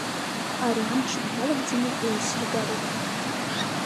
Ари амчыбжь иалагӡаны еилсыргароуп.